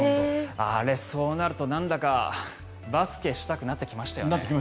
あれ、そうなるとなんだかバスケしたくなってきましたよね。